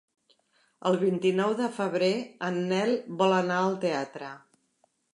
El vint-i-nou de febrer en Nel vol anar al teatre.